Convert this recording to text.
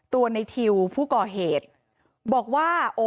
ตัวในทิวผู้ก่อเหตุบอกว่า